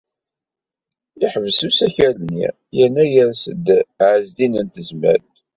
Yeḥbes usakal-nni yernu yers-d Ɛezdin n Tezmalt.